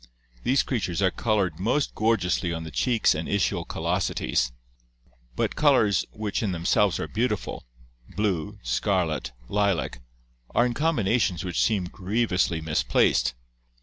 These creatures are colored most gorgeously on the cheeks and ischial callosities, but colors which in themselves are beautiful — blue, scarlet, lilac — are in combinations which seem grievously misplaced.